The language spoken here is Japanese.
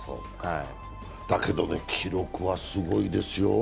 だけどね、記録はすごいですよ。